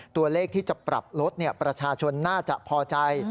ตัวเลขที่จะปรับลดประชาชนน่าจะพอใจ